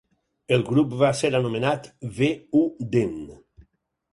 El grup va ser anomenat "V-u-den".